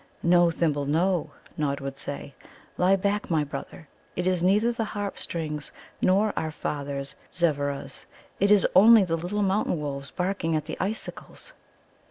"No, Thimble, no," Nod would say. "Lie back, my brother. It is neither the Harp strings nor our father's Zevveras; it is only the little mountain wolves barking at the icicles."